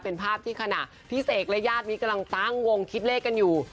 เป็นภาพที่ขณะพี่เสกและญาตินี้กำลังตั้งวงคิดเลขกันอยู่